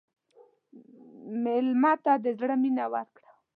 مېلمه ته د زړه مینه ورکړه.